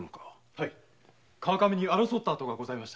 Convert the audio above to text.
はい川上に争った跡がございました。